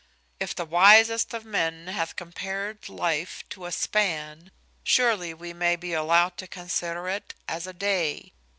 If the wisest of men hath compared life to a span, surely we may be allowed to consider it as a day.